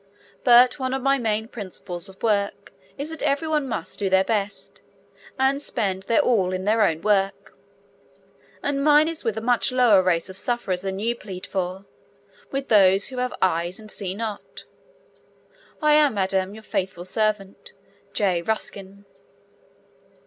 But one of my main principles of work is that every one must do their best, and spend their all in their own work, and mine is with a much lower race of sufferers than you plead for with those who 'have eyes and see not.' I am, Madam, your faithful servant, J. Ruskin.